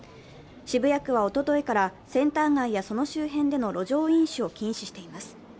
渋谷区はおとといからセンター街やその周辺での路上飲酒を禁止しています。